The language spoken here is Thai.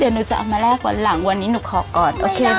เดี๋ยวหนูจะเอามาแลกวันหลังวันนี้หนูขอก่อนโอเค